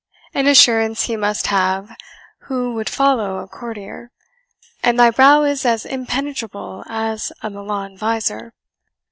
an assurance he must have who would follow a courtier and thy brow is as impenetrable as a Milan visor.